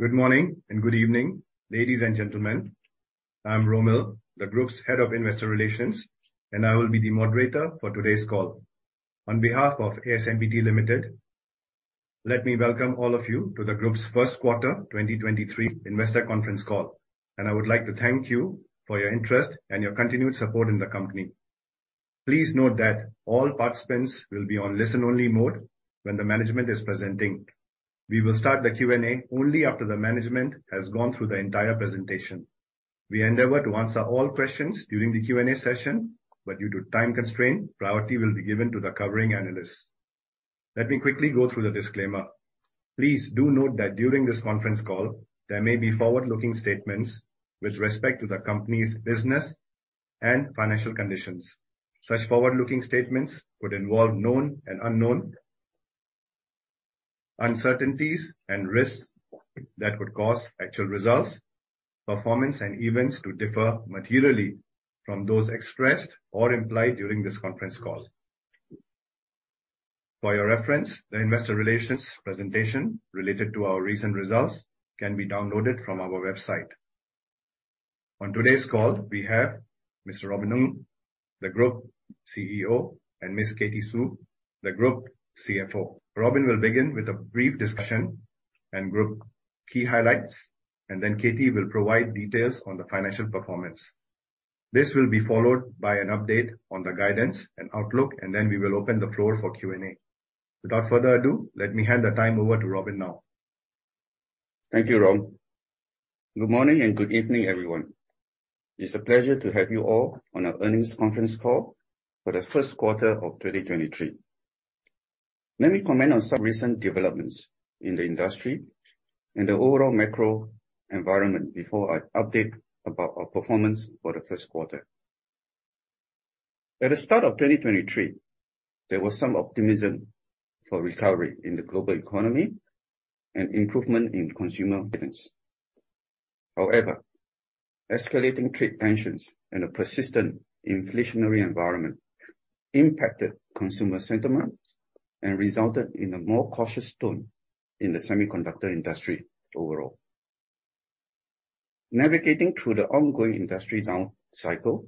Good morning and good evening, ladies and gentlemen. I'm Romil, the group's head of investor relations, and I will be the moderator for today's call. On behalf of ASMPT Limited, let me welcome all of you to the group's first quarter 2023 investor conference call. I would like to thank you for your interest and your continued support in the company. Please note that all participants will be on listen-only mode when the management is presenting. We will start the Q&A only after the management has gone through the entire presentation. We endeavor to answer all questions during the Q&A session, but due to time constraint, priority will be given to the covering analysts. Let me quickly go through the disclaimer. Please do note that during this conference call, there may be forward-looking statements with respect to the company's business and financial conditions. Such forward-looking statements would involve known and unknown uncertainties and risks that would cause actual results, performance, and events to differ materially from those expressed or implied during this conference call. For your reference, the investor relations presentation related to our recent results can be downloaded from our website. On today's call, we have Mr. Robin Ng, the Group CEO, and Ms. Katie Xu, the Group CFO. Robin will begin with a brief discussion and group key highlights, and then Katie will provide details on the financial performance. This will be followed by an update on the guidance and outlook, and then we will open the floor for Q&A. Without further ado, let me hand the time over to Robin now. Thank you, Rom. Good morning and good evening, everyone. It's a pleasure to have you all on our earnings conference call for the first quarter of 2023. Let me comment on some recent developments in the industry and the overall macro environment before I update about our performance for the first quarter. At the start of 2023, there was some optimism for recovery in the global economy and improvement in consumer sentiments. Escalating trade tensions and a persistent inflationary environment impacted consumer sentiment and resulted in a more cautious tone in the semiconductor industry overall. Navigating through the ongoing industry down cycle,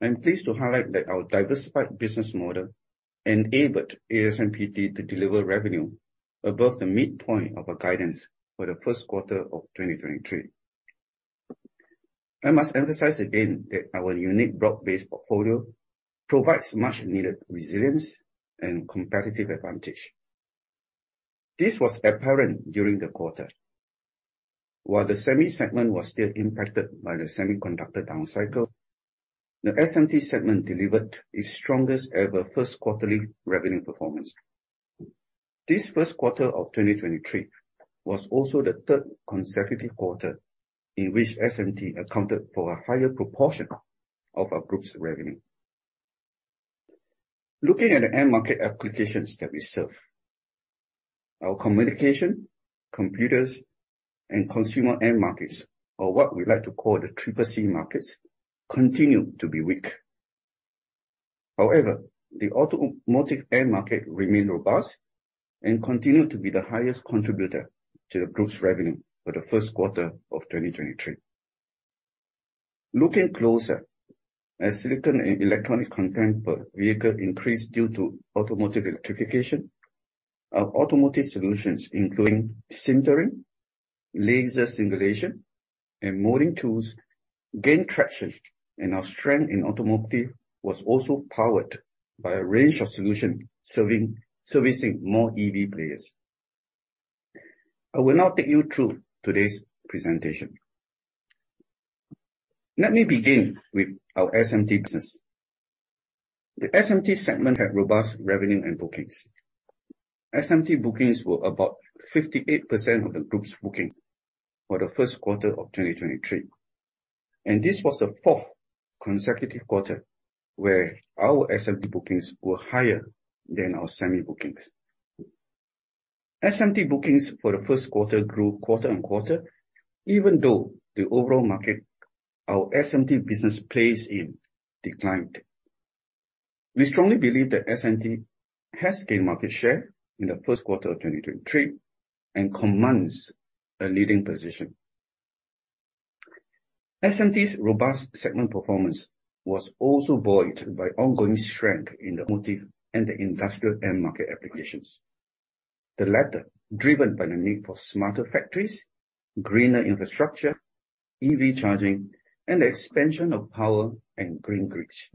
I'm pleased to highlight that our diversified business model enabled ASMPT to deliver revenue above the midpoint of our guidance for the first quarter of 2023. I must emphasize again that our unique broad-based portfolio provides much-needed resilience and competitive advantage. This was apparent during the quarter. While the SEMI segment was still impacted by the semiconductor down cycle, the SMT segment delivered its strongest ever first quarterly revenue performance. This first quarter of 2023 was also the third consecutive quarter in which SMT accounted for a higher proportion of our group's revenue. Looking at the end market applications that we serve, our communication, computers, and consumer end markets, or what we like to call the 3C markets, continue to be weak. The automotive end market remained robust and continued to be the highest contributor to the group's revenue for the first quarter of 2023. Looking closer at silicon and electronic content per vehicle increased due to automotive electrification, our automotive solutions including sintering, laser reflow, and molding tools gain traction. Our strength in automotive was also powered by a range of solution servicing more EV players. I will now take you through today's presentation. Let me begin with our SMT business. The SMT segment had robust revenue and bookings. SMT bookings were about 58% of the group's booking for the first quarter of 2023. This was the fourth consecutive quarter where our SMT bookings were higher than our SEMI bookings. SMT bookings for the first quarter grew quarter-on-quarter, even though the overall market our SMT business plays in declined. We strongly believe that SMT has gained market share in the first quarter of 2023 and commands a leading position. SMT's robust segment performance was also buoyed by ongoing strength in the automotive and the industrial end market applications. The latter driven by the need for smarter factories, greener infrastructure, EV charging, and the expansion of power and green grids.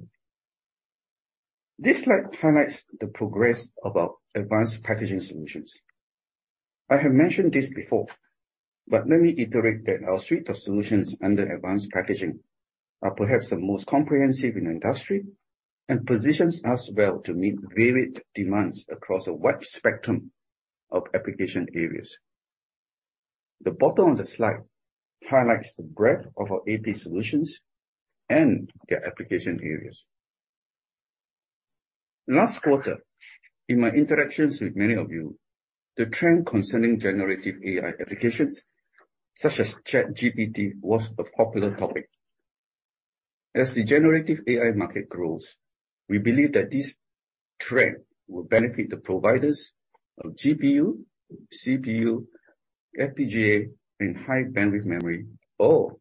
This slide highlights the progress of our advanced packaging solutions. I have mentioned this before, but let me iterate that our suite of solutions under advanced packaging are perhaps the most comprehensive in the industry and positions us well to meet varied demands across a wide spectrum of application areas. The bottom of the slide highlights the breadth of our AP solutions and their application areas. Last quarter, in my interactions with many of you, the trend concerning generative AI applications such as ChatGPT was a popular topic. As the generative AI market grows, we believe that this trend will benefit the providers of GPU, CPU, FPGA, and high bandwidth memory, or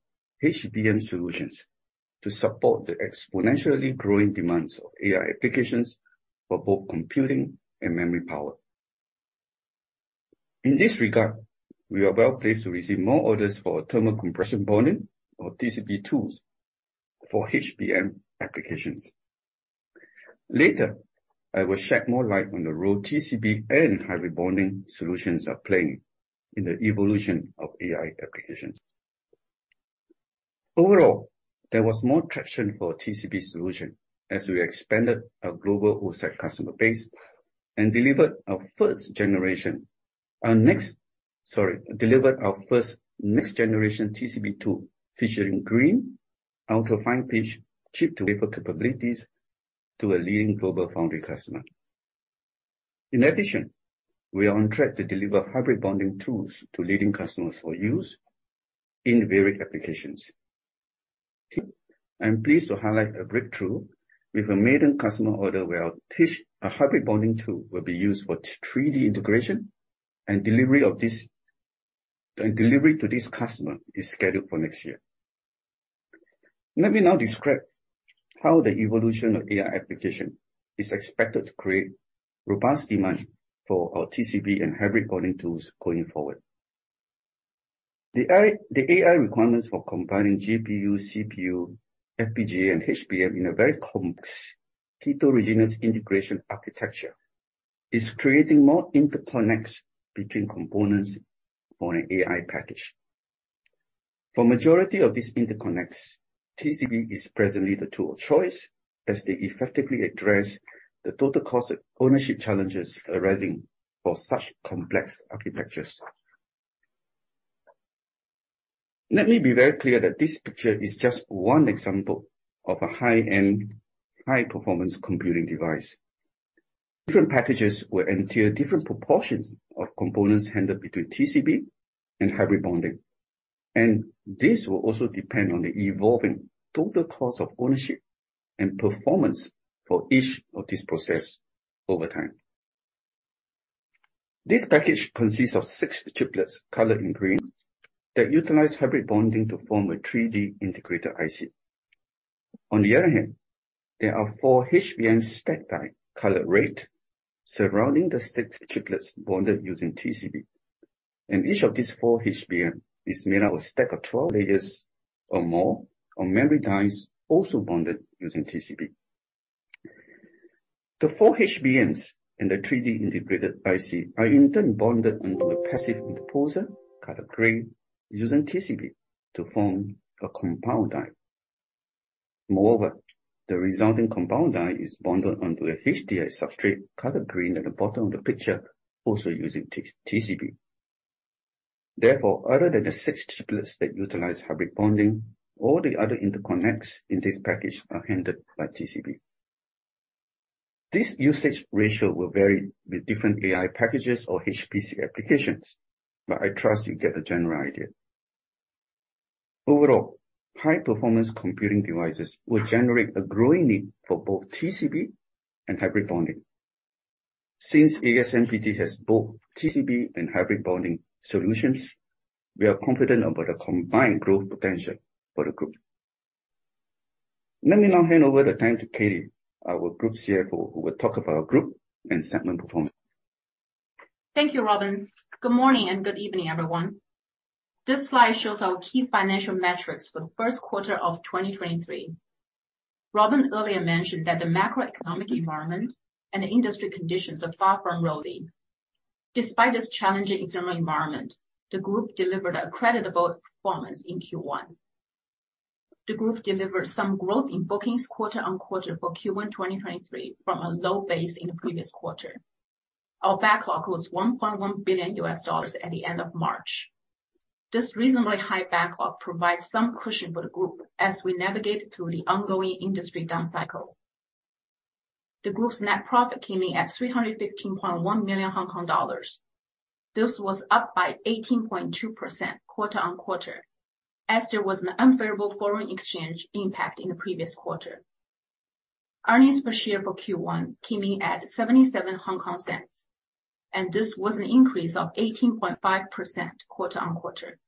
HBM solutions to support the exponentially growing demands of AI applications for both computing and memory power. In this regard, we are well-placed to receive more orders for thermal compression bonding or TCB tools for HBM applications. Later, I will shed more light on the role TCB and hybrid bonding solutions are playing in the evolution of AI applications. There was more traction for TCB solution as we expanded our global outside customer base and delivered our first next generation TCB tool featuring green ultra fine pitch chip-to-wafer capabilities to a leading global foundry customer. We are on track to deliver hybrid bonding tools to leading customers for use in varied applications. I'm pleased to highlight a breakthrough with a maiden customer order where our hybrid bonding tool will be used for 3D integration. Delivery to this customer is scheduled for next year. Let me now describe how the evolution of AI application is expected to create robust demand for our TCB and hybrid bonding tools going forward. The AI requirements for combining GPU, CPU, FPGA, and HBM in a very complex heterogeneous integration architecture is creating more interconnects between components on an AI package. For majority of these interconnects, TCB is presently the tool of choice as they effectively address the total cost of ownership challenges arising for such complex architectures. Let me be very clear that this picture is just one example of a high-end, high-performance computing device. Different packages will enter different proportions of components handled between TCB and hybrid bonding. This will also depend on the evolving total cost of ownership and performance for each of these process over time. This package consists of six chiplets colored in green that utilize hybrid bonding to form a 3D integrated IC. There are four HBM stacked die colored red surrounding the six chiplets bonded using TCB, and each of these four HBM is made out of stack of 12 layers or more on memory dies also bonded using TCB. The four HBMs in the 3D integrated IC are in turn bonded onto a passive interposer colored gray using TCB to form a compound die. The resulting compound die is bonded onto a HDI substrate colored green at the bottom of the picture, also using TCB. Other than the six chiplets that utilize hybrid bonding, all the other interconnects in this package are handled by TCB. This usage ratio will vary with different AI packages or HPC applications, but I trust you get a general idea. Overall, high-performance computing devices will generate a growing need for both TCB and hybrid bonding. ASMPT has both TCB and hybrid bonding solutions, we are confident about the combined growth potential for the group. Let me now hand over the time to Katie, our Group CFO, who will talk about group and segment performance. Thank you, Robin. Good morning and good evening, everyone. This slide shows our key financial metrics for the first quarter of 2023. Robin earlier mentioned that the macroeconomic environment and the industry conditions are far from rosy. Despite this challenging external environment, the group delivered a creditable performance in Q1. The group delivered some growth in bookings quarter-on-quarter for Q1 2023 from a low base in the previous quarter. Our backlog was $1.1 billion at the end of March. This reasonably high backlog provides some cushion for the group as we navigate through the ongoing industry down cycle. The group's net profit came in at 315.1 million Hong Kong dollars. This was up by 18.2% quarter-on-quarter as there was an unfavorable foreign exchange impact in the previous quarter. Earnings per share for Q1 came in at 0.77. This was an increase of 18.5% quarter-on-quarter.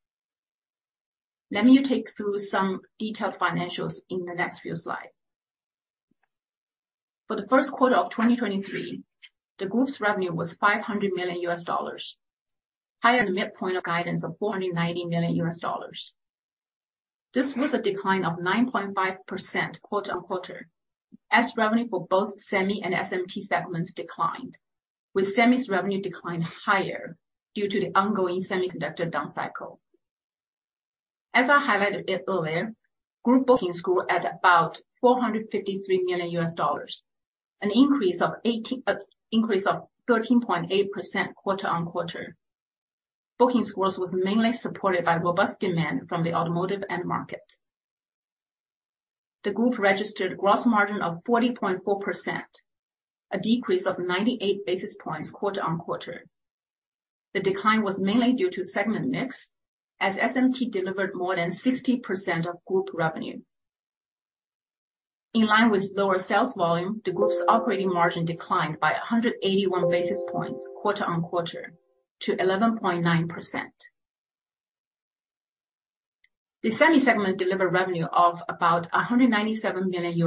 Let me take through some detailed financials in the next few slide. For the first quarter of 2023, the group's revenue was $500 million, higher than the midpoint of guidance of $490 million. This was a decline of 9.5% quarter-on-quarter as revenue for both SEMI and SMT segments declined, with SEMI's revenue declined higher due to the ongoing semiconductor down cycle. As I highlighted a bit earlier, group bookings grew at about $453 million, an increase of 13.8% quarter-on-quarter. Bookings growth was mainly supported by robust demand from the automotive end market. The group registered gross margin of 40.4%, a decrease of 98 basis points quarter-on-quarter. The decline was mainly due to segment mix, as SMT delivered more than 60% of group revenue. In line with lower sales volume, the group's operating margin declined by 181 basis points quarter-on-quarter to 11.9%. The SEMI segment delivered revenue of about $197 million,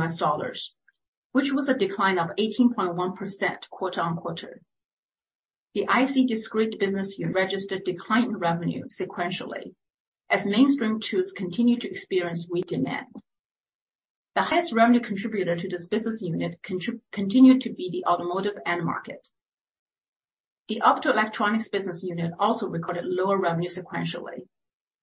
which was a decline of 18.1% quarter-on-quarter. The IC/Discrete business unit registered decline in revenue sequentially as mainstream tools continue to experience weak demand. The highest revenue contributor to this business unit continued to be the automotive end market. The Optoelectronics business unit also recorded lower revenue sequentially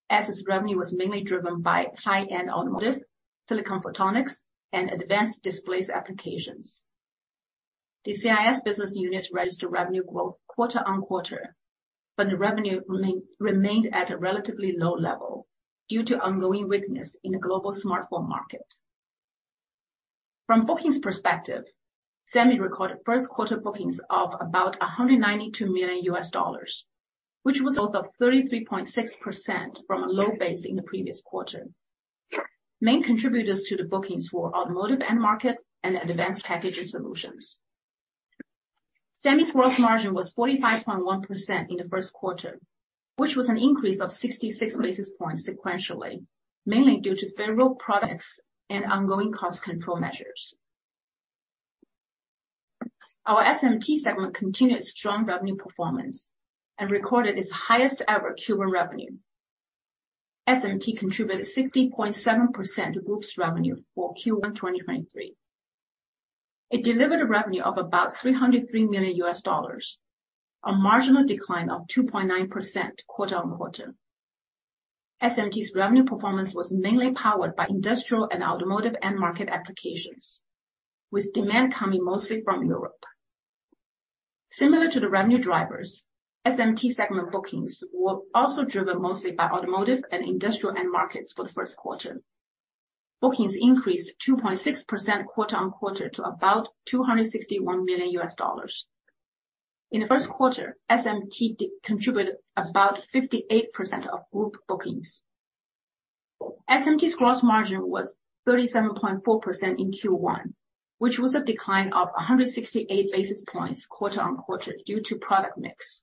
as its revenue was mainly driven by high-end automotive, silicon photonics, and advanced displays applications. The CIS business unit registered revenue growth quarter-on-quarter, but the revenue remained at a relatively low level due to ongoing weakness in the global smartphone market. From bookings perspective, SEMI recorded first quarter bookings of about $192 million, which was off of 33.6% from a low base in the previous quarter. Main contributors to the bookings were automotive end market and advanced packaging solutions. SEMI's gross margin was 45.1% in the first quarter, which was an increase of 66 basis points sequentially, mainly due to favorable products and ongoing cost control measures. Our SMT segment continued strong revenue performance and recorded its highest ever Q1 revenue. SMT contributed 60.7% of group's revenue for Q1, 2023. It delivered a revenue of about $303 million, a marginal decline of 2.9% quarter-on-quarter. SMT's revenue performance was mainly powered by industrial and automotive end market applications, with demand coming mostly from Europe. Similar to the revenue drivers, SMT segment bookings were also driven mostly by automotive and industrial end markets for the first quarter. Bookings increased 2.6% quarter-on-quarter to about $261 million. In the first quarter, SMT contributed about 58% of group bookings. SMT's gross margin was 37.4% in Q1, which was a decline of 168 basis points quarter-on-quarter due to product mix.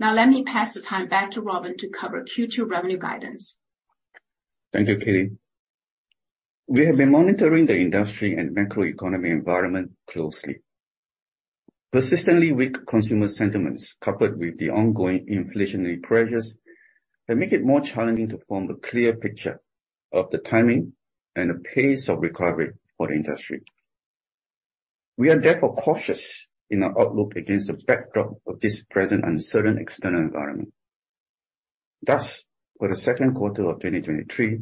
Let me pass the time back to Robin to cover Q2 revenue guidance. Thank you, Katie. We have been monitoring the industry and macroeconomy environment closely. Persistently weak consumer sentiments, coupled with the ongoing inflationary pressures, have make it more challenging to form a clear picture of the timing and the pace of recovery for the industry. We are therefore cautious in our outlook against the backdrop of this present uncertain external environment. For the second quarter of 2023,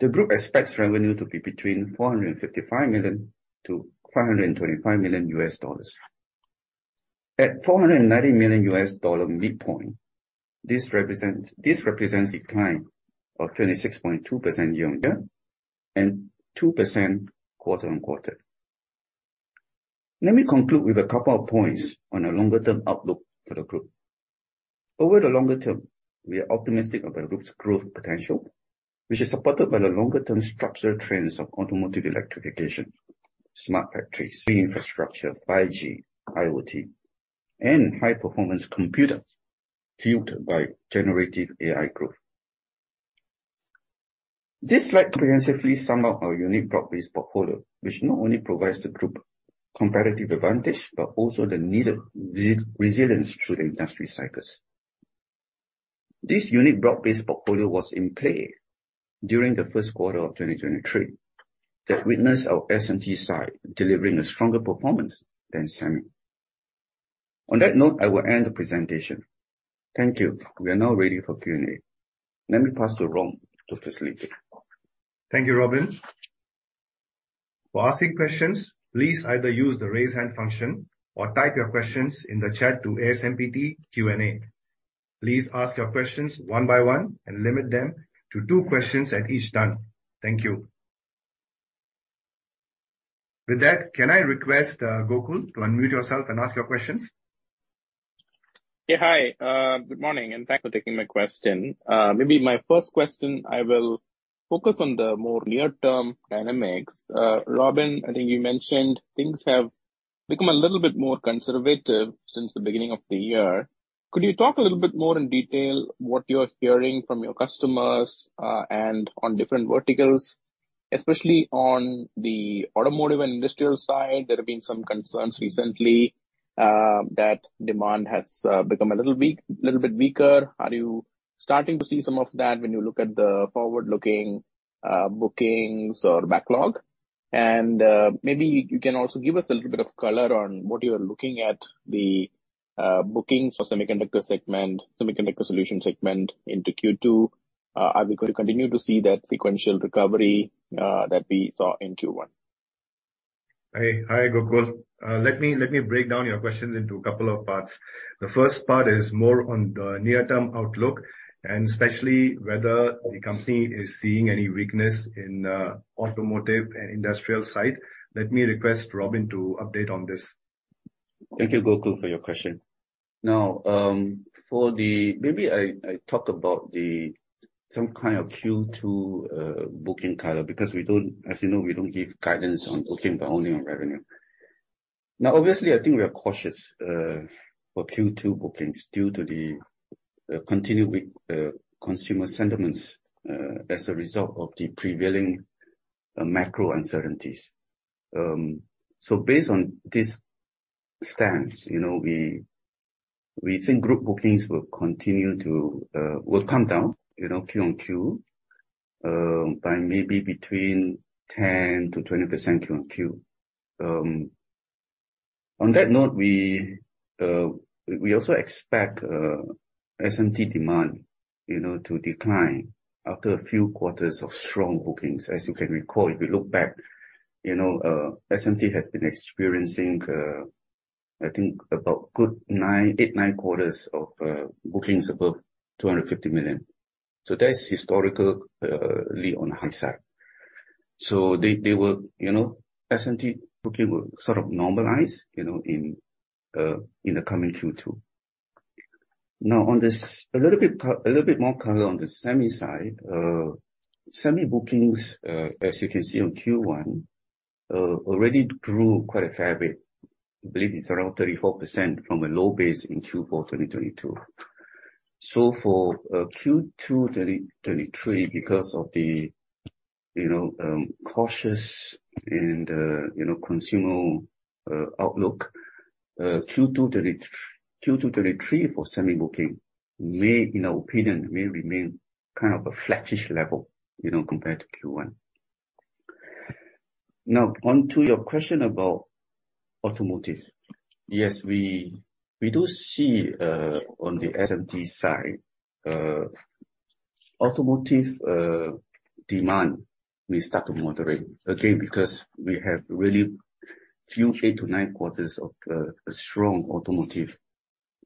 the group expects revenue to be between $455 million-$525 million. At $490 million midpoint, this represents a decline of 26.2% year-over-year and 2% quarter-over-quarter. Let me conclude with a couple of points on a longer-term outlook for the group. Over the longer term, we are optimistic of the group's growth potential, which is supported by the longer term structural trends of automotive electrification, smart factories, infrastructure, 5G, IoT, and high performance computer fueled by generative AI growth. This slide comprehensively sum up our unique broad-based portfolio, which not only provides the group competitive advantage, but also the needed resilience through the industry cycles. This unique broad-based portfolio was in play during the first quarter of 2023 that witnessed our SMT side delivering a stronger performance than SEMI. On that note, I will end the presentation. Thank you. We are now ready for Q&A. Let me pass to Rom to facilitate. Thank you, Robin. For asking questions, please either use the raise hand function or type your questions in the chat to ASMPT Q&A. Please ask your questions one by one and limit them to two questions at each time. Thank you. With that, can I request Gokul to unmute yourself and ask your questions? Yeah, hi, good morning, thanks for taking my question. Maybe my first question, I will focus on the more near-term dynamics. Robin, I think you mentioned things have become a little bit more conservative since the beginning of the year. Could you talk a little bit more in detail what you are hearing from your customers, and on different verticals? Especially on the automotive and industrial side, there have been some concerns recently, that demand has become a little bit weaker. Are you starting to see some of that when you look at the forward-looking bookings or backlog? Maybe you can also give us a little bit of color on what you are looking at the bookings for Semiconductor Solutions Segment into Q2. Are we going to continue to see that sequential recovery that we saw in Q1? Hi. Hi, Gokul. Let me break down your questions into a couple of parts. The first part is more on the near-term outlook, especially whether the company is seeing any weakness in automotive and industrial side. Let me request Robin to update on this. Thank you, Gokul, for your question. Maybe I talk about some kind of Q2 booking color, because we don't, as you know, we don't give guidance on booking, but only on revenue. Obviously, I think we are cautious for Q2 bookings due to the continued weak consumer sentiments as a result of the prevailing macro uncertainties. Based on this stance, you know, we think group bookings will come down, you know, QoQ by maybe between 10%-20% QoQ. On that note, we also expect SMT demand, you know, to decline after a few quarters of strong bookings. As you can recall, if you look back, you know, SMT has been experiencing, I think about good nine, eight, nine quarters of bookings above $250 million. That's historically on high side. They will, you know, SMT booking will sort of normalize, you know, in the coming Q2. Now on this, a little bit more color on the SEMI side. SEMI bookings, as you can see on Q1, already grew quite a fair bit. I believe it's around 34% from a low base in Q4 2022. For Q2 2023, because of the, you know, cautious and, you know, consumer outlook, Q2 2023 for SEMI booking may, in our opinion, may remain kind of a flattish level, you know, compared to Q1. Now onto your question about automotive. Yes, we do see on the SMT side, automotive demand will start to moderate. Again, because we have really few eight to nine quarters of a strong automotive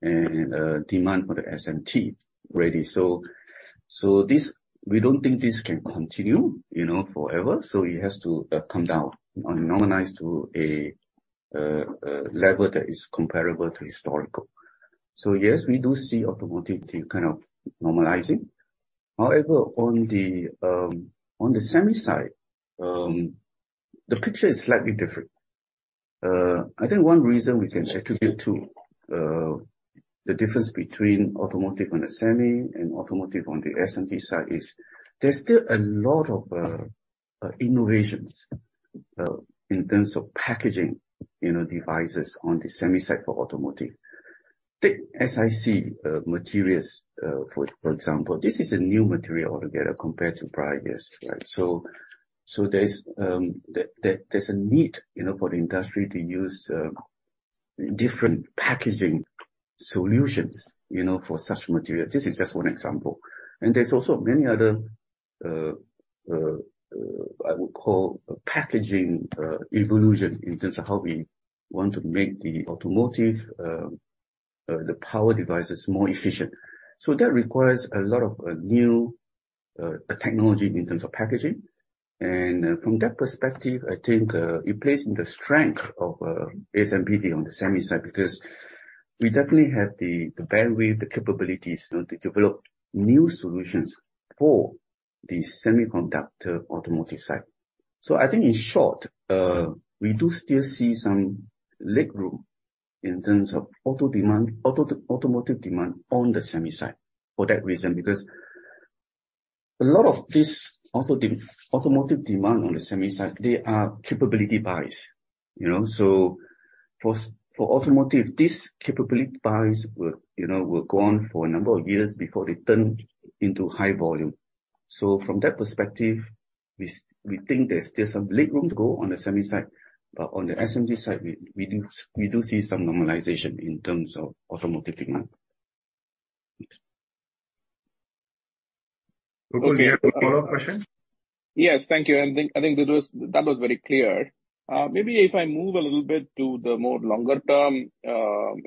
and demand for the SMT already. This, we don't think this can continue, you know, forever, so it has to come down or normalize to a level that is comparable to historical. Yes, we do see automotive kind of normalizing. However, on the SEMI side, the picture is slightly different. I think one reason we can attribute to the difference between automotive on the SEMI and automotive on the SMT side is there's still a lot of innovations in terms of packaging, you know, devices on the SEMI side for automotive. The SiC materials for example. This is a new material altogether compared to previous, right? There's a need, you know, for the industry to use different packaging solutions, you know, for such material. This is just one example. There's also many other I would call packaging evolution in terms of how we want to make the automotive power devices more efficient. That requires a lot of new technology in terms of packaging. From that perspective, I think it plays into strength of ASMPT on the SEMI side, because we definitely have the bandwidth, the capabilities, you know, to develop new solutions for the semiconductor automotive side. I think in short, we do still see some leg room in terms of automotive demand on the SEMI side for that reason. A lot of this automotive demand on the SEMI side, they are capability buys, you know? For automotive, these capability buys will, you know, will go on for a number of years before they turn into high volume. From that perspective, we think there's still some leg room to go on the SEMI side. On the SMT side, we do see some normalization in terms of automotive demand. Gokul, you have a follow-up question? Yes, thank you. I think that was very clear. Maybe if I move a little bit to the more longer-term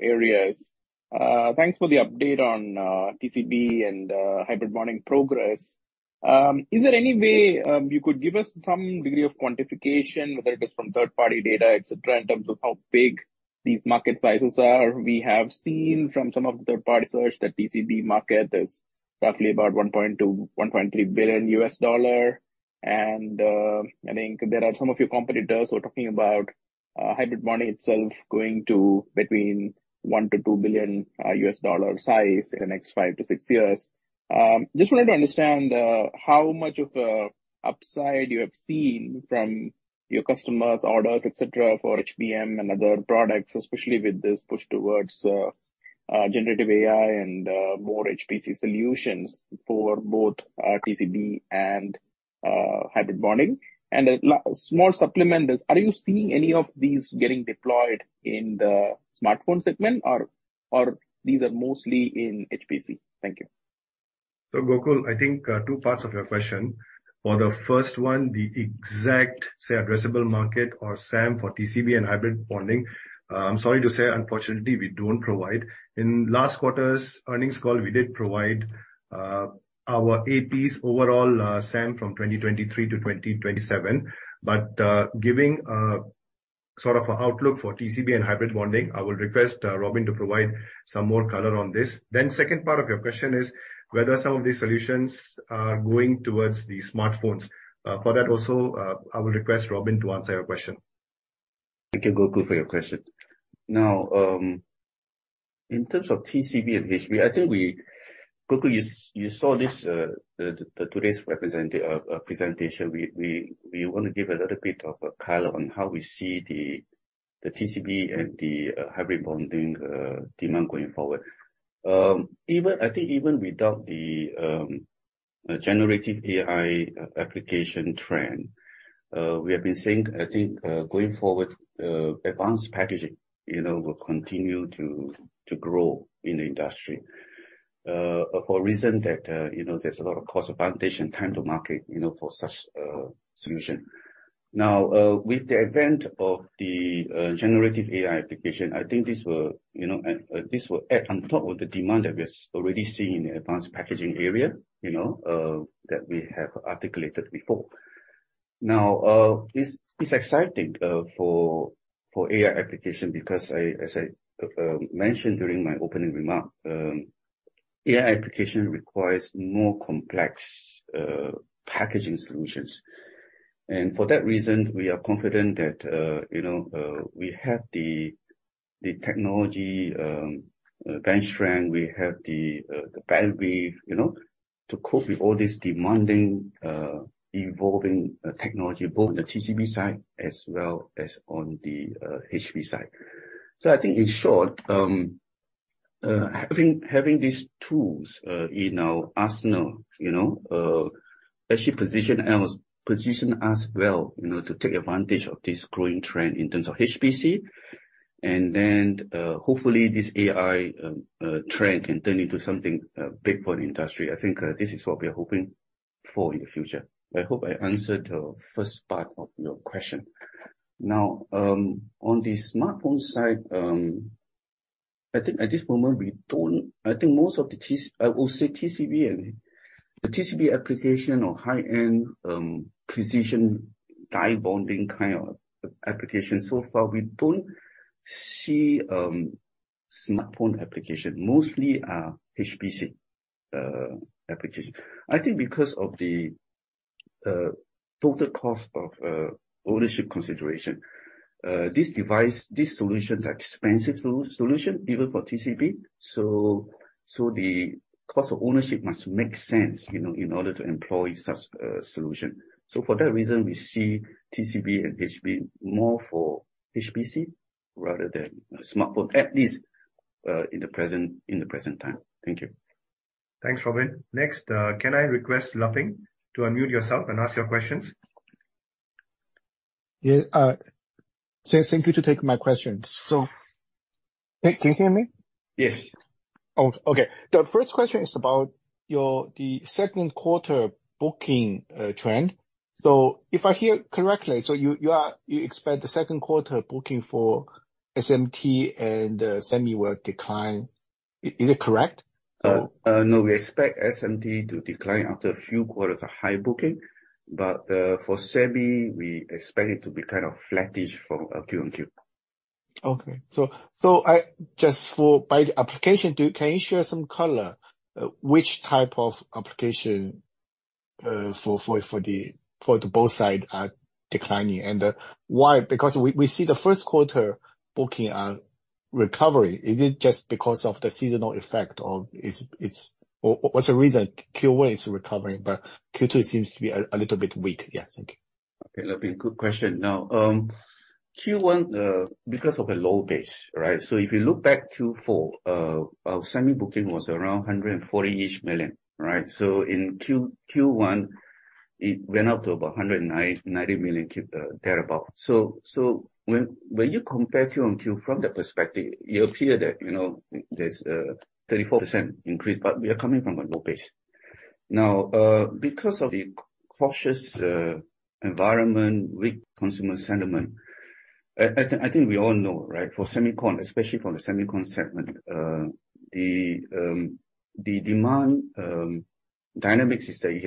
areas. Thanks for the update on TCB and hybrid bonding progress. Is there any way you could give us some degree of quantification, whether it is from third-party data, et cetera, in terms of how big these market sizes are? We have seen from some of the third-party search that TCB market is roughly about $1.2 billion-$1.3 billion. I think there are some of your competitors who are talking about hybrid bonding itself going to between $1 billion-$2 billion size in the next five to six years. Just wanted to understand how much of a upside you have seen from your customers' orders, et cetera, for HBM and other products, especially with this push towards generative AI and more HPC solutions for both TCB and hybrid bonding. A small supplement is, are you seeing any of these getting deployed in the smartphone segment or these are mostly in HPC? Thank you. Gokul, I think, two parts of your question. For the first one, the exact, say, addressable market or SAM for TCB and hybrid bonding, I'm sorry to say, unfortunately, we don't provide. In last quarter's earnings call, we did provide our AP's overall SAM from 2023 to 2027. Giving, sort of an outlook for TCB and hybrid bonding, I will request Robin to provide some more color on this. Second part of your question is whether some of these solutions are going towards the smartphones. For that also, I will request Robin to answer your question. Thank you, Gokul, for your question. In terms of TCB and HB, Gokul, you saw this, the today's presentation, we wanna give a little bit of color on how we see the TCB and the hybrid bonding demand going forward. I think even without the generative AI application trend, we have been seeing, I think, going forward, advanced packaging, you know, will continue to grow in the industry. For reason that, you know, there's a lot of cost advantage and time to market, you know, for such solution. With the advent of the generative AI application, I think this will, you know, this will add on top of the demand that we are already seeing in the advanced packaging area, you know, that we have articulated before. This is exciting for AI application because I, as I mentioned during my opening remark, AI application requires more complex packaging solutions. For that reason, we are confident that, you know, we have the technology bench strength, we have the bandwidth, you know, to cope with all these demanding, evolving technology, both on the TCB side as well as on the HB side. I think in short, having these tools in our arsenal, you know, actually position us well, you know, to take advantage of this growing trend in terms of HPC. Hopefully this AI trend can turn into something big for the industry. I think this is what we are hoping for in the future. I hope I answered the first part of your question. On the smartphone side, I think at this moment I will say TCB and the TCB application or high-end, precision die bonding kind of application, so far we don't see smartphone application. Mostly, HPC application. I think because of the total cost of ownership consideration. This device, these solutions are expensive solutions even for TCB, so the cost of ownership must make sense, you know, in order to employ such a solution. For that reason, we see TCB and HB more for HPC rather than a smartphone, at least, in the present time. Thank you. Thanks, Robin. Next, can I request Leping to unmute yourself and ask your questions? Yeah, thank you to take my questions. Can you hear me? Yes. Oh, okay. The first question is about your, the second quarter booking trend. If I hear correctly, you expect the second quarter booking for SMT and SEMI work decline. Is it correct? No, we expect SMT to decline after a few quarters of high booking, but, for SEMI, we expect it to be kind of flattish for, QoQ. Okay. I just for by the application, can you share some color, which type of application for the both side are declining and why? We see the first quarter booking recovery. Is it just because of the seasonal effect or what's the reason Q1 is recovering, but Q2 seems to be a little bit weak? Yeah. Thank you. Leping, good question. Q1, because of a low base, right? If you look back to Q4, our SEMI booking was around $140-ish million, right? In Q1, it went up to about $190 million, thereabout. When you compare QoQ from that perspective, it will appear that, you know, there's a 34% increase, but we are coming from a low base. Because of the cautious environment, weak consumer sentiment, I think we all know, right? For SEMI, especially from the SEMI segment, the demand dynamics is that it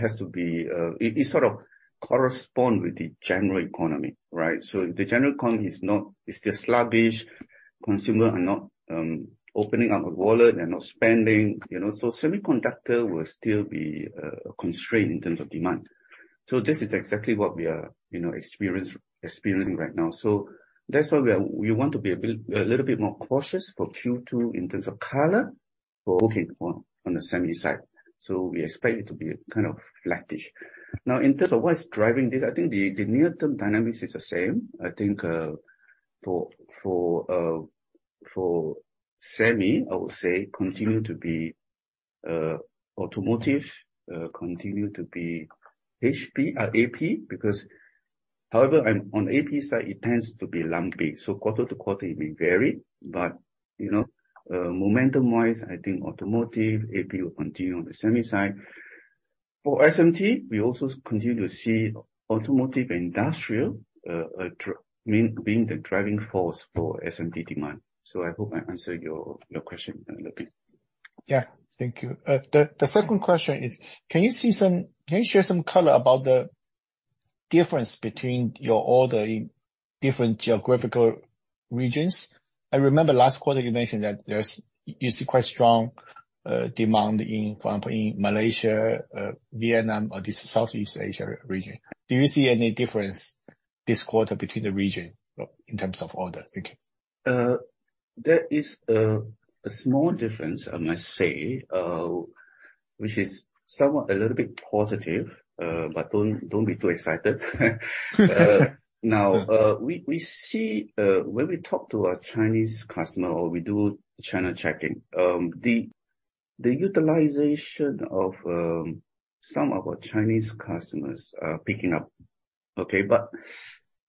has to be, it sort of correspond with the general economy, right? If the general economy is not, it's just sluggish, consumer are not opening up a wallet, they're not spending, you know. Semiconductor will still be constrained in terms of demand. This is exactly what we are, you know, experiencing right now. That's why we want to be a bit, a little bit more cautious for Q2 in terms of color for booking on the SEMI side. We expect it to be kind of flattish. Now, in terms of what's driving this, I think the near-term dynamics is the same. I think, for SEMI, I would say continue to be automotive, continue to be AP. However, on AP side, it tends to be lumpy, so quarter to quarter it may vary, but, you know, momentum-wise, I think automotive, AP will continue on the SEMI side. For SMT, we also continue to see automotive industrial being the driving force for SMT demand. I hope I answered your question, Robin. Yeah. Thank you. The second question is, can you share some color about the difference between your order in different geographical regions? I remember last quarter you mentioned that you see quite strong demand in, for example, in Malaysia, Vietnam, or the Southeast Asia region. Do you see any difference this quarter between the region in terms of orders? Thank you. There is a small difference, I must say, which is somewhat a little bit positive, but don't be too excited. We see when we talk to our Chinese customer or we do China checking, the utilization of some of our Chinese customers are picking up. Okay, but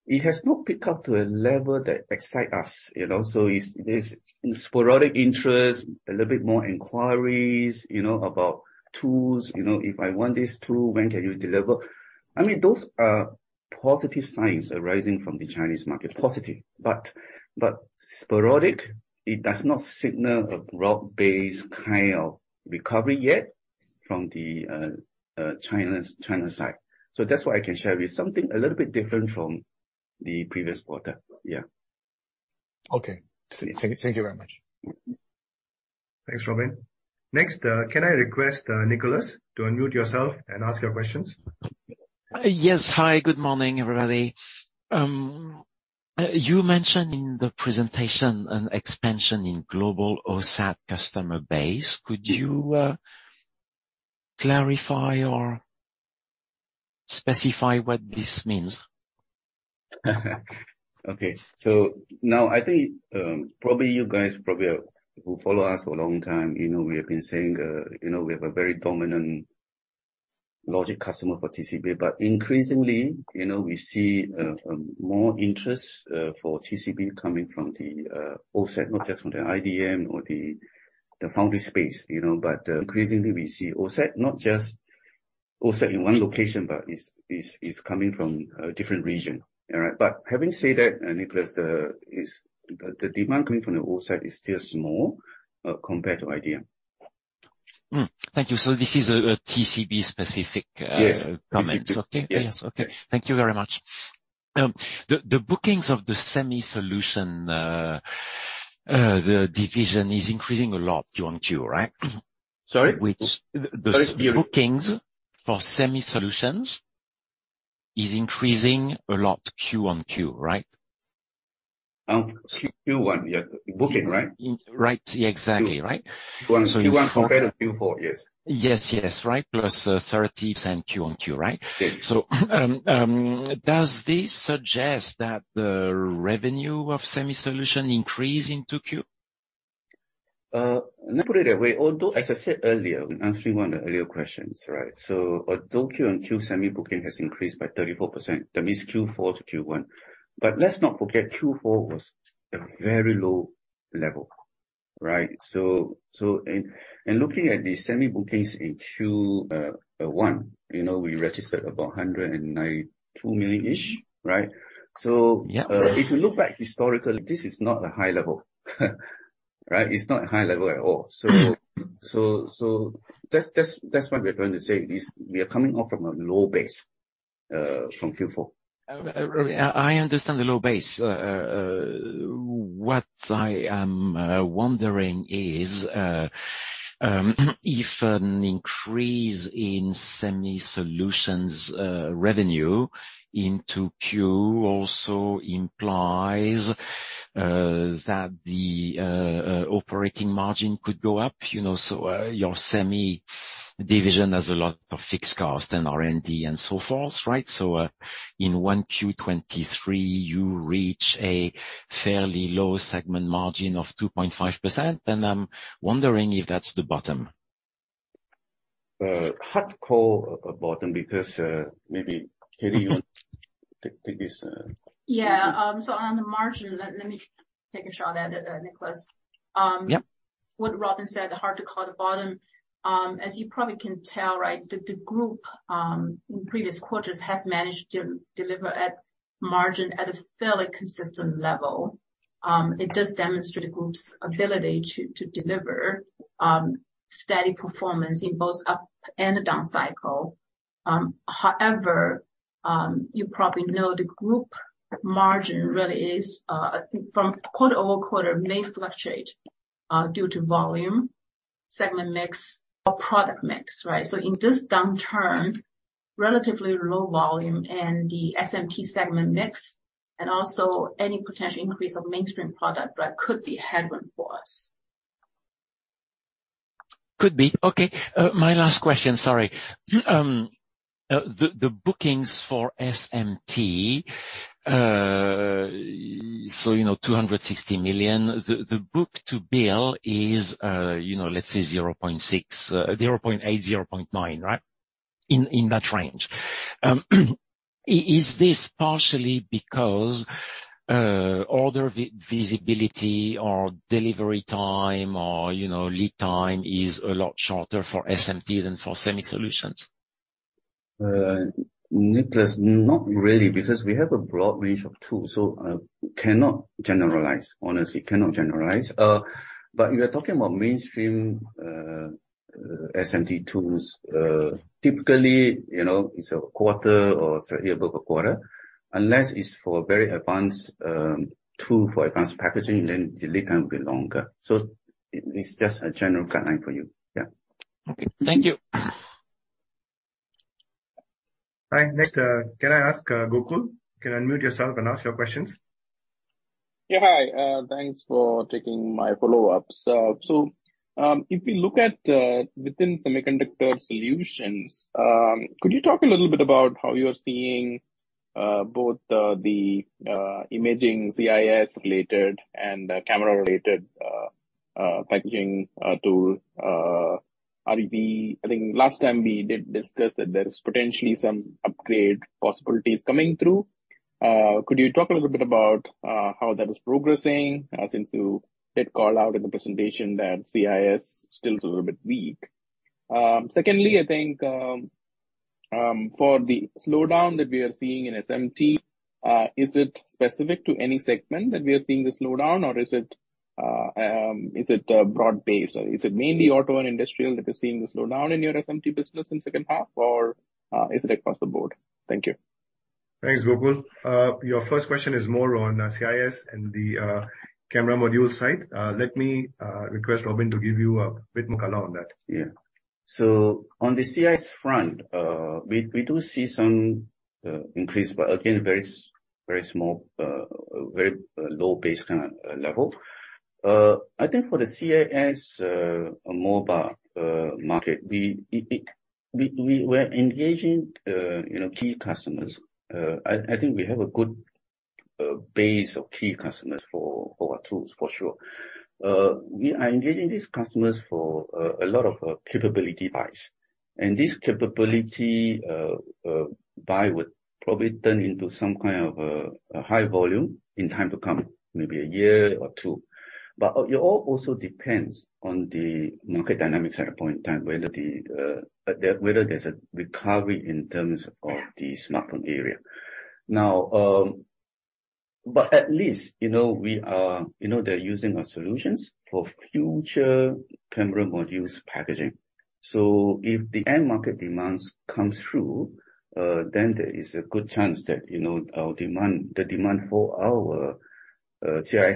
it has not picked up to a level that excite us, you know. It's this sporadic interest, a little bit more inquiries, you know, about tools. You know, "If I want this tool, when can you deliver?" I mean, those are positive signs arising from the Chinese market. Positive, but sporadic. It does not signal a broad-based kind of recovery yet from the China side. That's what I can share with you. Something a little bit different from the previous quarter. Yeah. Okay. See you. Thank you very much. Thanks, Robin. Next, can I request Nicolas to unmute yourself and ask your questions? Yes. Hi, good morning, everybody. You mentioned in the presentation an expansion in global OSAT customer base. Could you clarify or specify what this means? Okay. Now I think, probably you guys who follow us for a long time, you know we have been saying, you know, we have a very dominant logic customer for TCB. Increasingly, you know, we see more interest for TCB coming from the OSAT, not just from the IDM or the foundry space, you know. Increasingly, we see OSAT, not just OSAT in one location, but it's, it's coming from a different region. All right? Having said that, Nicolas, is the demand coming from the OSAT is still small compared to IDM. Thank you. This is a TCB-specific— Yes. Comments. Okay. Yes. Yes. Okay. Thank you very much. The bookings of the SEMI solution, the division is increasing a lot QoQ, right? Sorry? Which— Sorry. The bookings for SEMI solutions is increasing a lot QoQ, right? Oh, Q1. Yeah. Booking, right? Right. Yeah, exactly, right. Q1 compared to Q4. Yes. Yes. Yes, right. Plus 30% QoQ, right? Yes. Does this suggest that the revenue of SEMI solution increase in 2Q? Let me put it that way. Although, as I said earlier, answering one of the earlier questions, right? Although QoQ SEMI booking has increased by 34%, that means Q4 to Q1. Let's not forget Q4 was a very low level, right? Looking at the SEMI bookings in Q1, you know, we registered about $192 million-ish, right? Yeah. If you look back historically, this is not a high level, right? It's not a high level at all. That's what we're trying to say is we are coming off from a low base from Q4. I understand the low base. What I am wondering is if an increase in SEMI Solutions revenue into Q1 also implies that the operating margin could go up. You know, your SEMI division has a lot of fixed cost and R&D and so forth, right? In 1Q 2023, you reached a fairly low segment margin of 2.5%, and I'm wondering if that's the bottom. Hard to call the bottom because, maybe Katie you want to take this? Yeah. On the margin, let me take a shot at it, Nicolas. Yep. What Robin said, hard to call the bottom. As you probably can tell, right, the group, in previous quarters has managed to deliver at margin at a fairly consistent level. It does demonstrate the group's ability to deliver steady performance in both up and a down cycle. However, you probably know the group margin really is, I think, from quarter-over-quarter may fluctuate due to volume, segment mix or product mix, right? In this downturn, relatively low volume and the SMT segment mix and also any potential increase of mainstream product, right, could be a headwind for us. Could be. Okay. My last question, sorry. The bookings for SMT. You know, $260 million, the book-to-bill is, you know, let's say 0.6x, 0.8x, 0.9x, right? In that range. Is this partially because order visibility or delivery time or, you know, lead time is a lot shorter for SMT than for SEMI Solutions? Nicolas, not really, because we have a broad range of tools, so, cannot generalize. Honestly, cannot generalize. You are talking about mainstream SMT tools. Typically, you know, it's a quarter or slightly above a quarter, unless it's for a very advanced tool for advanced packaging, then the lead time will be longer. It's just a general guideline for you. Yeah. Okay, thank you. All right. Next, can I ask Gokul? You can unmute yourself and ask your questions. Yeah. Hi. Thanks for taking my follow-ups. If we look at within Semiconductor Solutions, could you talk a little bit about how you're seeing both the imaging CIS-related and camera-related packaging tool? I think last time we did discuss that there is potentially some upgrade possibilities coming through. Could you talk a little bit about how that is progressing, since you did call out in the presentation that CIS still is a little bit weak? Secondly, I think for the slowdown that we are seeing in SMT, is it specific to any segment that we are seeing the slowdown, or is it broad-based? Is it mainly auto and industrial that is seeing the slowdown in your SMT business in second half, or is it across the board? Thank you. Thanks, Gokul. Your first question is more on CIS and the camera module side. Let me request Robin to give you a bit more color on that. Yeah. On the CIS front, we do see some increase, again, very small, very low base kind of level. I think for the CIS mobile market, we were engaging, you know, key customers. I think we have a good base of key customers for our tools, for sure. We are engaging these customers for a lot of capability buys. This capability buy would probably turn into some kind of a high volume in time to come, maybe a year or two. It all also depends on the market dynamics at a point in time, whether there's a recovery in terms of the smartphone area. At least, you know, we are, you know, they're using our solutions for future camera modules packaging. If the end market demands comes through, there is a good chance that, you know, our demand, the demand for our CIS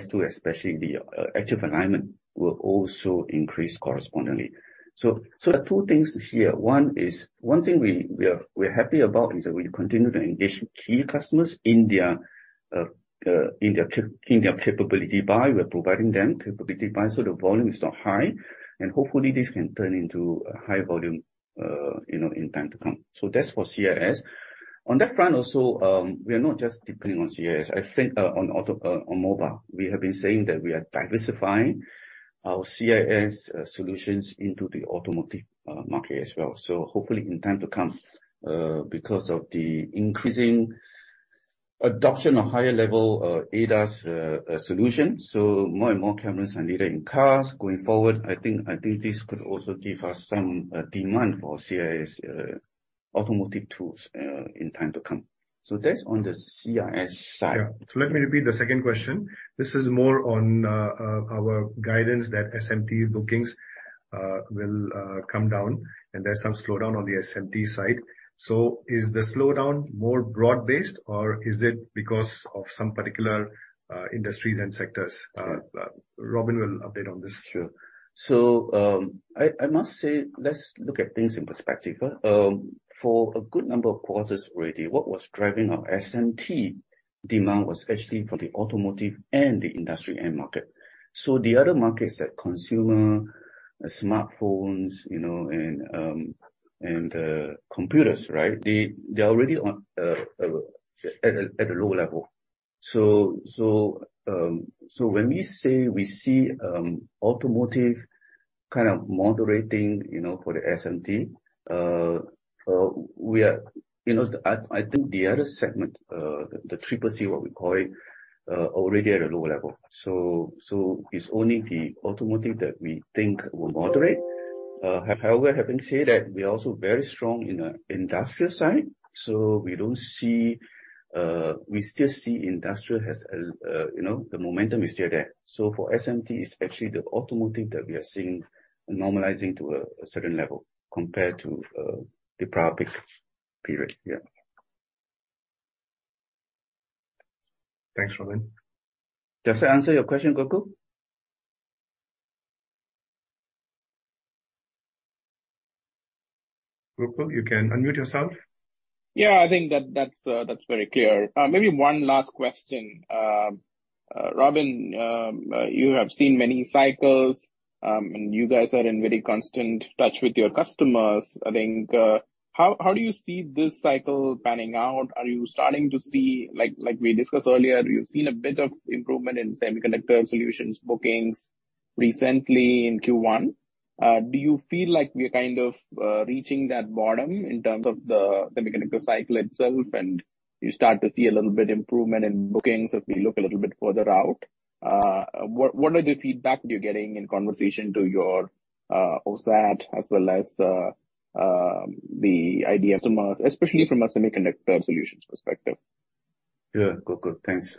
tool, especially the active alignment, will also increase correspondingly. So there are two things here. One thing we are happy about is that we continue to engage key customers in their capability buy. We're providing them capability buy, so the volume is not high. Hopefully this can turn into a high volume, you know, in time to come. That's for CIS. On that front also, we are not just depending on CIS. I think, on auto, on mobile, we have been saying that we are diversifying our CIS solutions into the automotive market as well. Hopefully in time to come, because of the increasing adoption of higher level ADAS solution, so more and more cameras are needed in cars. Going forward, I think this could also give us some demand for CIS automotive tools in time to come. That's on the CIS side. Yeah. Let me repeat the second question. This is more on our guidance that SMT bookings will come down, and there's some slowdown on the SMT side. Is the slowdown more broad-based, or is it because of some particular industries and sectors? Robin will update on this. Sure. I must say, let's look at things in perspective. For a good number of quarters already, what was driving our SMT demand was actually from the automotive and the industry end market. The other markets like consumer, smartphones, you know, and computers, right? They're already on at a low level. When we say we see automotive kind of moderating, you know, for the SMT, we are, you know, I think the other segment, the 3C, what we call it, already at a lower level. It's only the automotive that we think will moderate. However, having said that, we are also very strong in the industrial side, so we don't see, we still see industrial has a, you know, the momentum is still there. For SMT, it's actually the automotive that we are seeing normalizing to a certain level compared to the previous period. Yeah. Thanks, Robin. Does that answer your question, Gokul? Gokul, you can unmute yourself. Yeah, I think that's very clear. Maybe one last question. Robin, you have seen many cycles. You guys are in very constant touch with your customers, I think. How do you see this cycle panning out? Like we discussed earlier, you've seen a bit of improvement in Semiconductor Solutions bookings recently in Q1. Do you feel like we're kind of reaching that bottom in terms of the semiconductor cycle itself, and you start to see a little bit improvement in bookings as we look a little bit further out? What are the feedback you're getting in conversation to your OSAT as well as the IDM customers, especially from a Semiconductor Solutions perspective? Yeah. Gokul, thanks.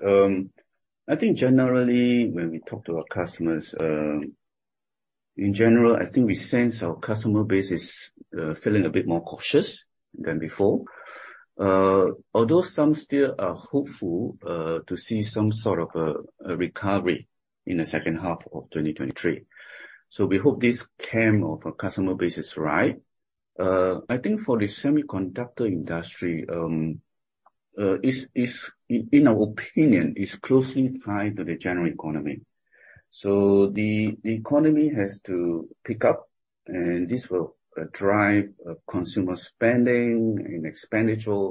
I think generally when we talk to our customers, in general, I think we sense our customer base is feeling a bit more cautious than before. Although some still are hopeful to see some sort of a recovery in the second half of 2023. We hope this can for customer base is right. I think for the semiconductor industry, in our opinion, is closely tied to the general economy. The economy has to pick up, and this will drive consumer spending and expenditure,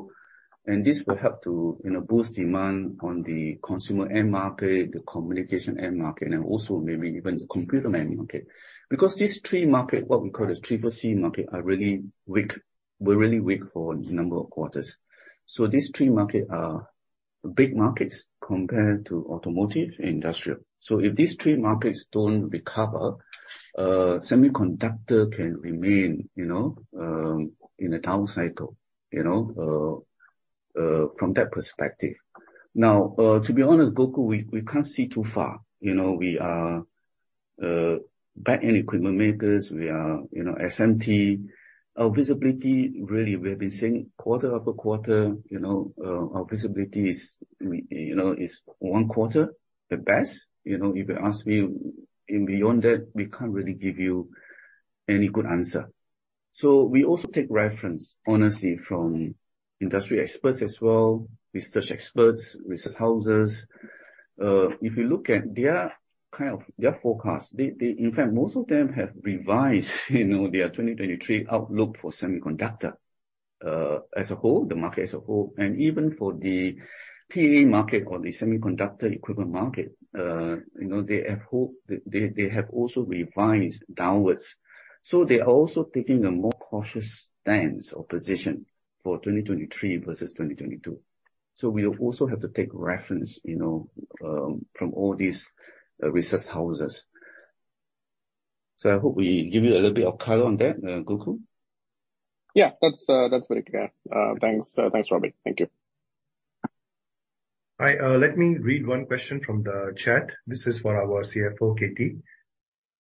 and this will help to, you know, boost demand on the consumer end market, the communication end market, and also maybe even the computer end market. These three market, what we call the 3C market, were really weak for a number of quarters. These three market are big markets compared to automotive and industrial. If these three markets don't recover, semiconductor can remain, you know, in a down cycle, you know, from that perspective. To be honest, Gokul, we can't see too far. You know, we are backend equipment makers. We are, you know, SMT. Our visibility, really, we have been saying quarter-over-quarter, you know, our visibility is, you know, is one quarter at best. You know, if you ask me in beyond that, we can't really give you any good answer. We also take reference, honestly, from industry experts as well, research experts, research houses. If you look at their, kind of their forecast, they— In fact, most of them have revised, you know, their 2023 outlook for semiconductor, as a whole, the market as a whole. Even for the PE market or the semiconductor equipment market, you know, they have hope. They have also revised downwards. They are also taking a more cautious stance or position for 2023 versus 2022. We also have to take reference, you know, from all these research houses. I hope we give you a little bit of color on that, Gokul. Yeah. That's, that's very clear. Thanks. Thanks, Robin. Thank you. Hi. Let me read one question from the chat. This is for our CFO, Katie.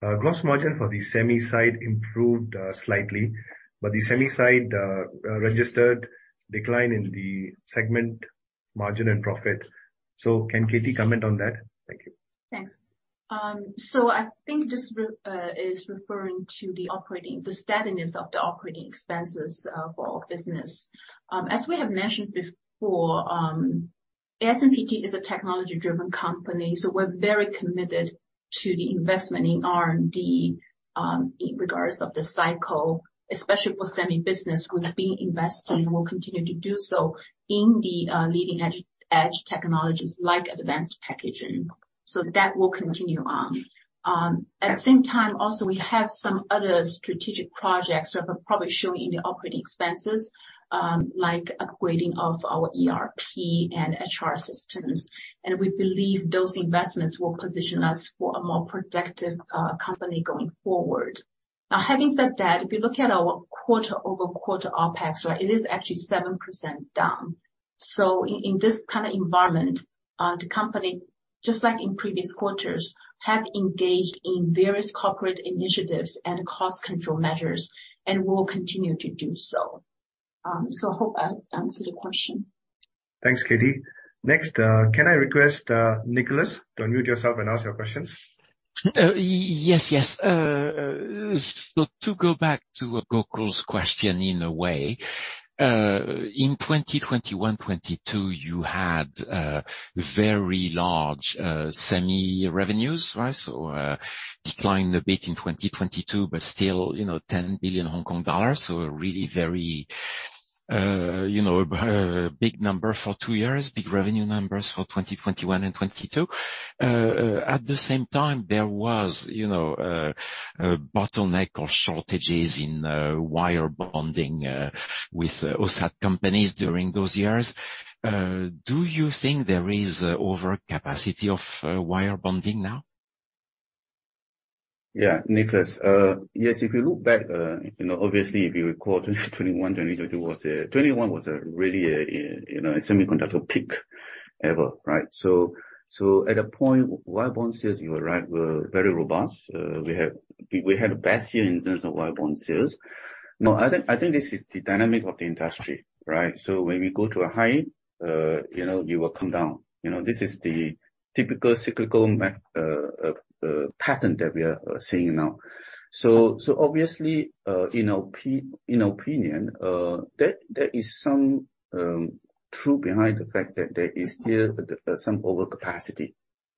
Gross margin for the SEMI side improved slightly. The SEMI side registered decline in the segment margin and profit. Can Katie comment on that? Thank you. Thanks. So I think this is referring to the operating, the steadiness of the operating expenses for our business. As we have mentioned before, SMT is a technology-driven company, so we're very committed to the investment in R&D, irregardless of the cycle, especially for SEMI business. We've been investing and will continue to do so in the leading edge technologies like advanced packaging. That will continue on. At the same time also, we have some other strategic projects that are probably showing in the operating expenses, like upgrading of our ERP and HR systems, and we believe those investments will position us for a more protective company going forward. Having said that, if you look at our quarter-over-quarter OpEx, right, it is actually 7% down. In this kind of environment, the company, just like in previous quarters, have engaged in various corporate initiatives and cost control measures and will continue to do so. Hope I answered the question. Thanks, Katie. Next, can I request Nicolas to unmute yourself and ask your questions? Yes, yes. To go back to Gokul's question in a way, in 2021, 2022, you had very large SEMI revenues, right? Declined a bit in 2022, but still, you know, 10 billion Hong Kong dollars. A really very, you know, big number for two years, big revenue numbers for 2021 and 2022. At the same time, there was, you know, a bottleneck or shortages in wire bonding with OSAT companies during those years. Do you think there is overcapacity of wire bonding now? Yeah. Nicolas. Yes, if you look back, you know, obviously if you recall 2021 was a really, you know, a semiconductor peak ever, right? At that point, wire bond sales, you are right, were very robust. We had a best year in terms of wire bond sales. This is the dynamic of the industry, right? When we go to a high, you know, we will come down. You know, this is the typical cyclical pattern that we are seeing now. Obviously, in opinion, there is some truth behind the fact that there is still some overcapacity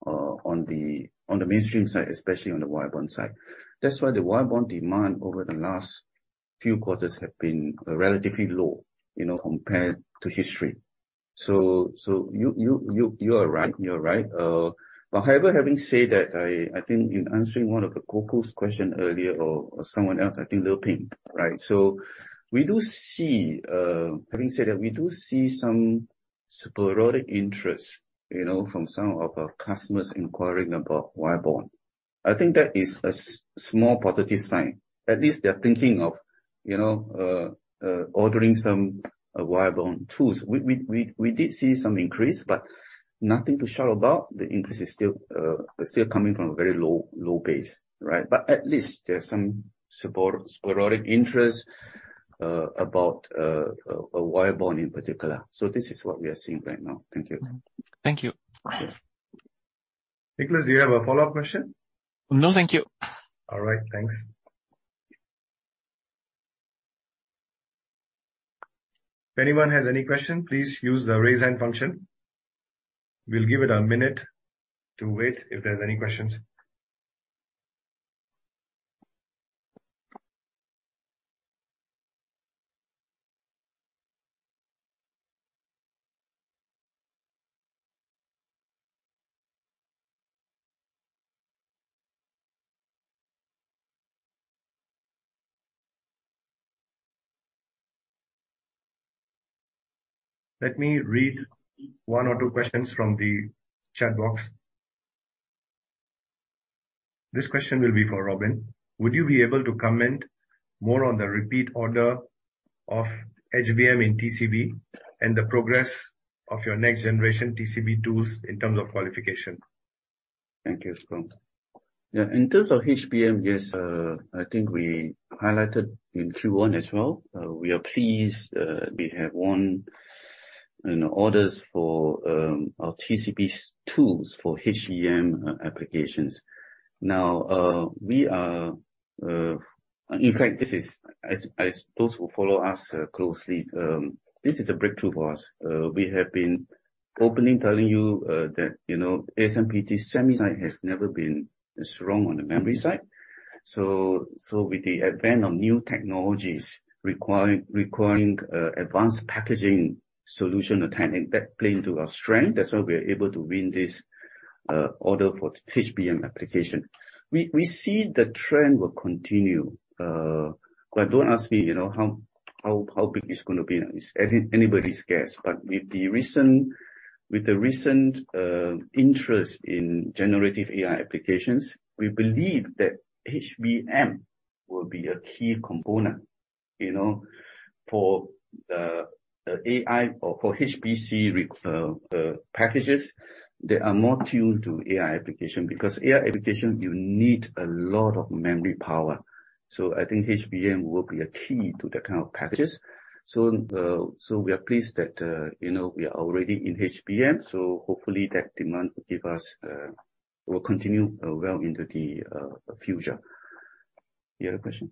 on the mainstream side, especially on the wire bond side. That's why the wire bond demand over the last few quarters have been relatively low, you know, compared to history. You are right, you are right. However, having said that, I think in answering one of Gokul's question earlier or someone else, I think Leping, right? We do see, having said that, we do see some sporadic interest, you know, from some of our customers inquiring about wire bond. I think that is a small positive sign. At least they're thinking of, you know, ordering some wire bond tools. We did see some increase, but nothing to shout about. The increase is still coming from a very low base, right? At least there's some sporadic interest about a wire bond in particular. This is what we are seeing right now. Thank you. Okay. Nicolas, do you have a follow-up question? No, thank you. All right. Thanks. If anyone has any question, please use the Raise Hand function. We'll give it a minute to wait if there's any questions. Let me read one or two questions from the chat box. This question will be for Robin. Would you be able to comment more on the repeat order of HBM in TCB and the progress of your next generation TCB tools in terms of qualification? Thank you, Rom. Yeah. In terms of HBM, yes, I think we highlighted in Q1 as well. We are pleased, we have won, you know, orders for our TCBs tools for HBM applications. In fact, this is as those who follow us closely, this is a breakthrough for us. We have been openly telling you, that, you know, ASMPT SEMI side has never been as strong on the memory side. With the advent of new technologies requiring advanced packaging solution, that play into our strength, that's why we are able to win this order for HBM application. We see the trend will continue. Don't ask me, you know, how big it's gonna be. It's anybody's guess. With the recent interest in generative AI applications, we believe that HBM will be a key component, you know, for AI or for HPC packages that are more tuned to AI application. AI application, you need a lot of memory power. I think HBM will be a key to that kind of packages. We are pleased that, you know, we are already in HBM, so hopefully that demand will give us, will continue well into the future. You had a question?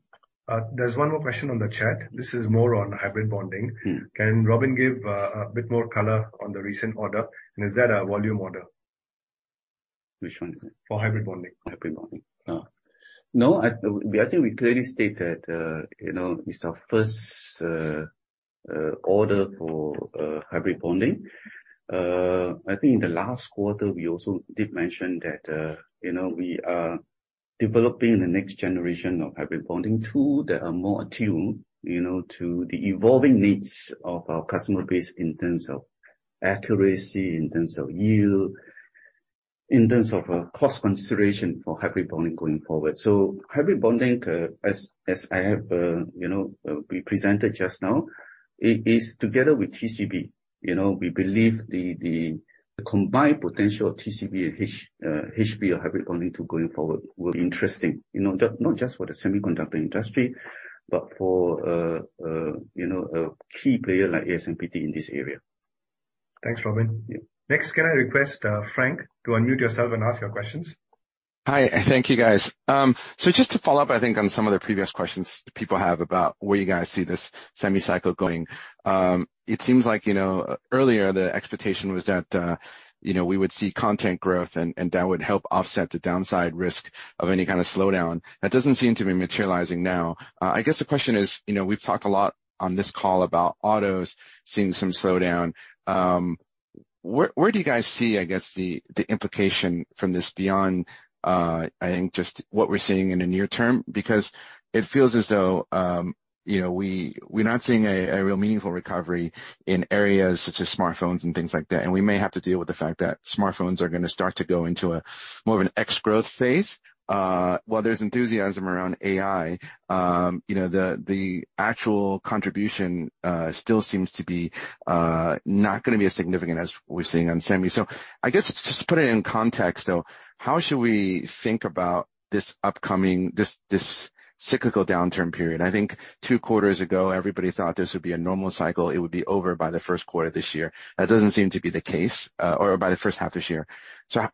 There's one more question on the chat. This is more on hybrid bonding. Can Robin give a bit more color on the recent order? Is that a volume order? Which one is it? For hybrid bonding. Hybrid bonding. No, I think we clearly stated, you know, it's our first order for hybrid bonding. I think in the last quarter we also did mention that, you know, we are developing the next generation of hybrid bonding tool that are more attuned, you know, to the evolving needs of our customer base in terms of accuracy, in terms of yield, in terms of cost consideration for hybrid bonding going forward. Hybrid bonding, as I have, you know, we presented just now, it is together with TCB. You know, we believe the combined potential of TCB and HB or hybrid bonding tool going forward will be interesting, you know, not just for the semiconductor industry, but for, you know, a key player like ASMPT in this area. Thanks, Robin. Yeah. Next, can I request, Frank to unmute yourself and ask your questions? Hi. Thank you, guys. Just to follow up, I think on some of the previous questions people have about where you guys see this semi cycle going. It seems like, you know, earlier the expectation was that, you know, we would see content growth and that would help offset the downside risk of any kind of slowdown. That doesn't seem to be materializing now. I guess the question is, you know, we've talked a lot on this call about autos seeing some slowdown. Where do you guys see, I guess, the implication from this beyond, I think just what we're seeing in the near term? It feels as though, you know, we're not seeing a real meaningful recovery in areas such as smartphones and things like that. We may have to deal with the fact that smartphones are gonna start to go into a more of an ex-growth phase. While there's enthusiasm around AI, you know, the actual contribution still seems to be not gonna be as significant as we're seeing on SEMI. I guess just put it in context, though, how should we think about this upcoming cyclical downturn period? I think two quarters ago, everybody thought this would be a normal cycle, it would be over by the first quarter this year. That doesn't seem to be the case, or by the first half this year.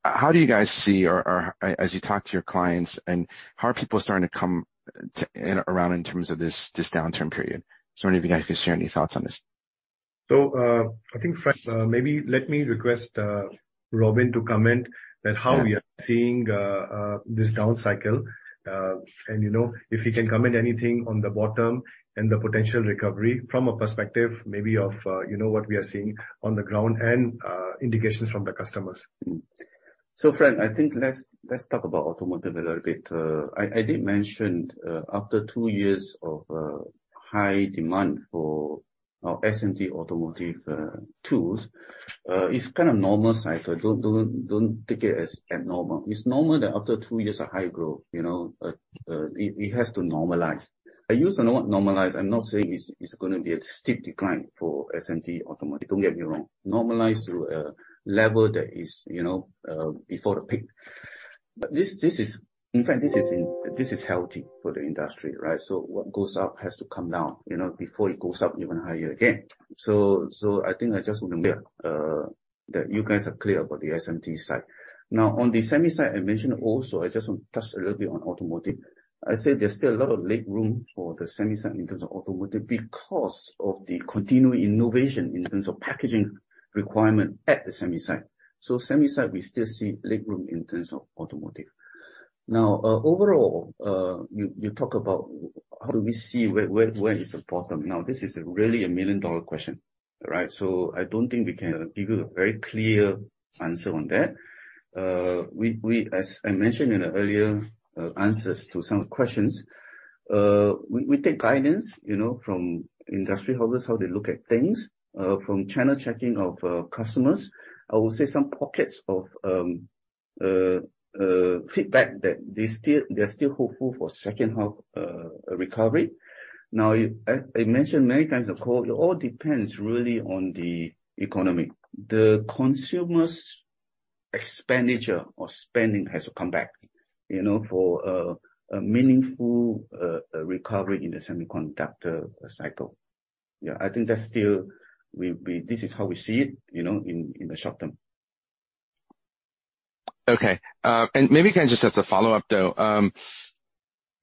How do you guys see or as you talk to your clients, and how are people starting to come in, around in terms of this downturn period? Wondering if you guys could share any thoughts on this. I think, Frank, maybe let me request Robin to comment that how we are seeing this down cycle. You know, if he can comment anything on the bottom and the potential recovery from a perspective maybe of, you know, what we are seeing on the ground and indications from the customers. Frank, I think let's talk about automotive a little bit. I did mention, after two years of high demand for our SMT automotive tools, it's kind of normal cycle. Don't take it as abnormal. It's normal that after two years of high growth, you know, it has to normalize. I use the word normalize, I'm not saying it's gonna be a steep decline for SMT automotive. Don't get me wrong. Normalize to a level that is, you know, before the peak. This is, in fact, healthy for the industry, right? What goes up has to come down, you know, before it goes up even higher again. I think I just wanna make sure that you guys are clear about the SMT side. On the SEMI side, I mentioned also, I just want to touch a little bit on automotive. I said there's still a lot of leg room for the SEMI side in terms of automotive because of the continuing innovation in terms of packaging requirement at the SEMI side. SEMI side we still see leg room in terms of automotive. Overall, you talk about how do we see where is the bottom? This is really a million-dollar question, right? I don't think we can give you a very clear answer on that. As I mentioned in the earlier answers to some questions, we take guidance, you know, from industry holders, how they look at things, from channel checking of customers. I will say some pockets of feedback that they still, they're still hopeful for second half recovery. I mentioned many times before, it all depends really on the economy. The consumer's expenditure or spending has to come back, you know, for a meaningful recovery in the semiconductor cycle. I think that's still we, this is how we see it, you know, in the short term. Okay. Maybe can I just as a follow-up, though,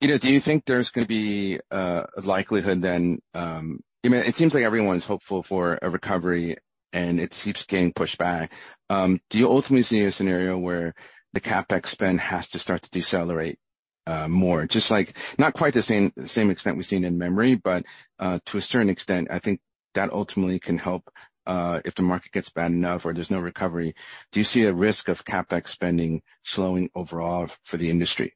you know, do you think there's gonna be a likelihood then? I mean, it seems like everyone's hopeful for a recovery, and it keeps getting pushed back. Do you ultimately see a scenario where the CapEx spend has to start to decelerate more, just like not quite the same extent we've seen in memory, but to a certain extent, I think that ultimately can help if the market gets bad enough or there's no recovery? Do you see a risk of CapEx spending slowing overall for the industry?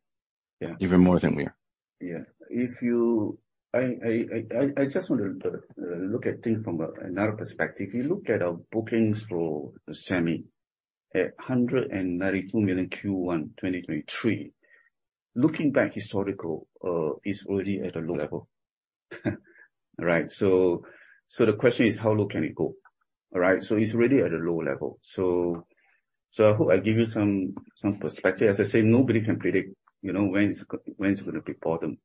Yeah. Even more than we are. Yeah. If you I just want to look at things from another perspective. If you look at our bookings for SEMI at $192 million Q1 2023, looking back historical, it's already at a low level. Right? The question is how low can it go? All right? It's already at a low level. I hope I give you some perspective. As I said, nobody can predict, you know, when it's gonna be bottom.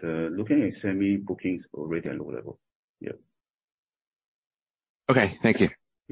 Looking at SEMI bookings, already at low level. Yeah. Okay, thank you.